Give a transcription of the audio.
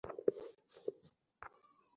Inspector ভিতরে আছে।